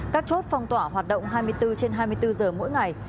các chốt phong tỏa hoạt động hai mươi bốn trên hai mươi bốn giờ mỗi ngày